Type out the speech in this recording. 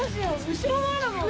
後ろもあるもんね